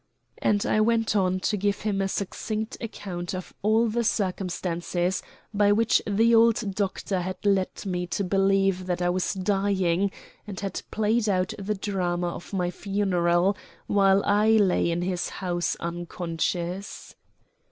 And I went on to give him a succinct account of all the circumstances by which the old doctor had led me to believe that I was dying, and had played out the drama of my funeral while I lay in his house unconscious.